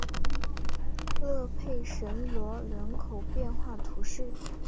勒佩什罗人口变化图示